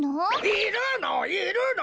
いるのいるの！